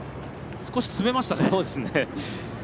少し詰めましたね。